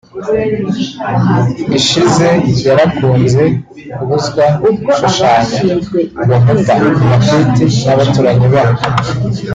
Ishize yarakunze kubuzwa gushushanya ku nkuta (graffiti) n’abaturanyi be aho